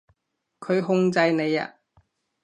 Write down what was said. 佢控制你呀？